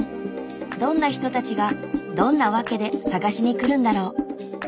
どんな人たちがどんな訳で探しにくるんだろう？